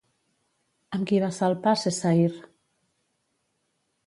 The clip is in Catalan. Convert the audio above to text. Amb qui va salpar Cessair?